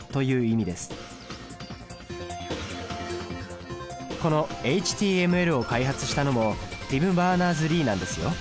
このＨＴＭＬを開発したのもティム・バーナーズ・リーなんですよ。